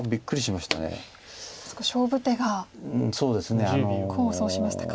まさか勝負手が功を奏しましたか。